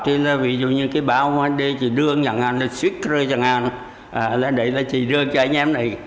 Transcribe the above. thì là ví dụ như cái bão để chị đưa chẳng hạn là xuyết rơi chẳng hạn là để là chị đưa cho anh em này